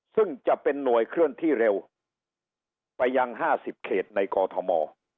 ซึ่งจะเป็นหน่วยเคลื่อนที่เร็วไปยัง๕๐เขตในกอทม